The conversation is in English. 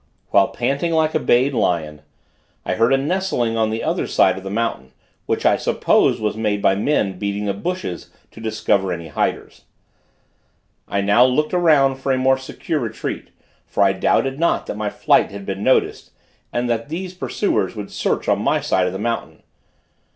While panting like a bayed lion, I heard a nestling on the other side of the mountain, which I supposed was made by men beating the bushes to discover any hiders. I now looked around for a more secure retreat, for I doubted not that my flight had been noticed, and that these pursuers would search on my side of the mountain.